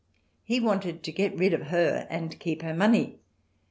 He wanted to get rid of her and keep her money.